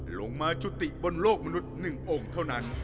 ลงมาจุติบนโลกมนุษย์๑องค์เท่านั้น